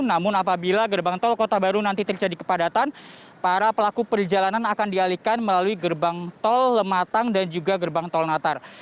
namun apabila gerbang tol kota baru nanti terjadi kepadatan para pelaku perjalanan akan dialihkan melalui gerbang tol lematang dan juga gerbang tol natar